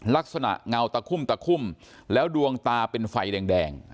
ลักษณะเงาตะคุ่มแล้วดวงตาเป็นไฟแดง